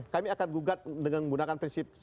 kami akan gugat dengan menggunakan prinsip